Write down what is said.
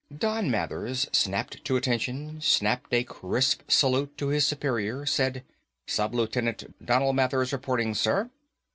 _ Don Mathers snapped to attention, snapped a crisp salute to his superior, said, "Sub lieutenant Donal Mathers reporting, sir."